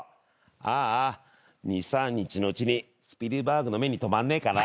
あーあ２３日のうちにスピルバーグの目に留まんねえかな。